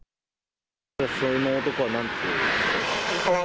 その男はなんて？